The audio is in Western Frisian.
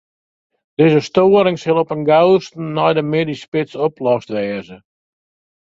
Dizze steuring sil op 'en gausten nei de middeisspits oplost wêze.